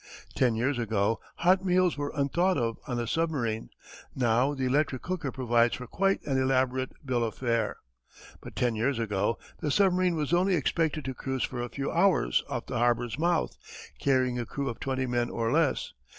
Ten years ago hot meals were unthought of on a submarine; now the electric cooker provides for quite an elaborate bill of fare. But ten years ago the submarine was only expected to cruise for a few hours off the harbour's mouth carrying a crew of twenty men or less.